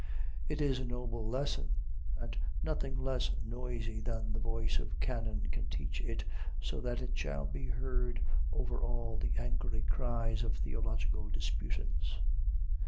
It is a noble lesson, and nothing less noisy than the voice of cannon can teach it so that it shall be heard over all the angry cries of theological disputants.